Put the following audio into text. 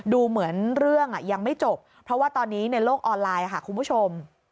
ดูเหมือนเรื่องยังไม่จบเพราะว่าตอนนี้ในโลกออนไลน์ค่ะคุณผู้ชม